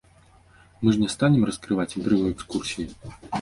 Мы ж не станем раскрываць інтрыгу экскурсіі.